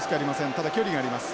ただ距離があります。